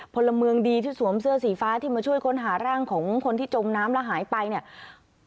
พลเมืองดีที่สวมเสื้อสีฟ้าที่มาช่วยค้นหาร่างของคนที่จมน้ำแล้วหายไปเนี่ย